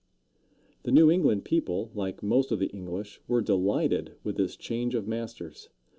The New England people, like most of the English, were delighted with this change of masters.